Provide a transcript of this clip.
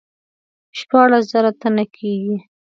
شپاړس زره تنه کیږي.